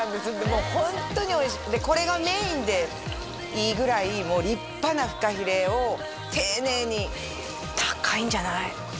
もうホントにおいしいでこれがメインでいいぐらいもう立派なフカヒレを丁寧に高いんじゃない？